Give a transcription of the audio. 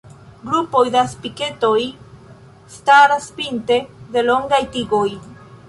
Grupoj da spiketoj staras pinte de longaj tigoj.